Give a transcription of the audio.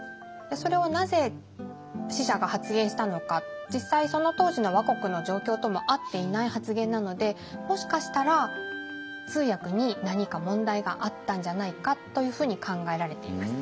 それをなぜ使者が発言したのか実際その当時の倭国の状況とも合っていない発言なのでもしかしたら通訳に何か問題があったんじゃないかというふうに考えられています。